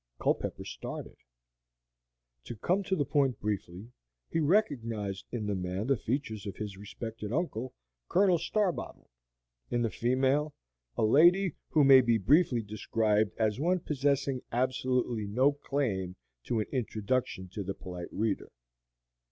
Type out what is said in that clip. Culpepper started. To come to the point briefly, he recognized in the man the features of his respected uncle, Colonel Starbottle; in the female, a lady who may be briefly described as one possessing absolutely no claim to an introduction to the polite reader.